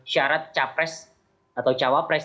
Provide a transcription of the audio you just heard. syarat capres atau cawapres